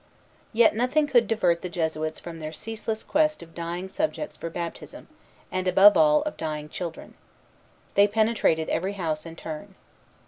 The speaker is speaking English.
Yet nothing could divert the Jesuits from their ceaseless quest of dying subjects for baptism, and above all of dying children. They penetrated every house in turn.